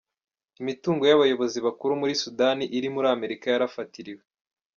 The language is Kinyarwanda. Imitungo y’abayobozi bakuru muri Sudani iri muri Amerika yarafatiriwe;.